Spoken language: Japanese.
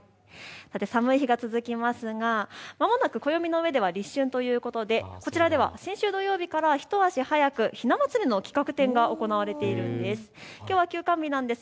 寒い日が続きますがまもなく暦の上では立春ということで、こちらでは先週土曜日から一足早くひな祭りの企画展が行われているということです。